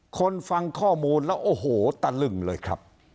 ฟังข้อมูลแล้วโอ้โหตะลึงเลยครับ